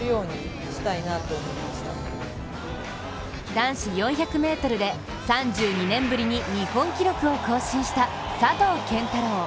男子４００ｍで３２年ぶりに日本記録を更新した佐藤拳太郎。